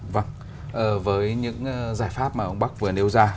vâng với những giải pháp mà ông bắc vừa nêu ra